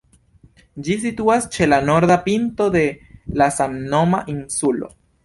Ĝi situas ĉe la norda pinto de la samnoma insulo.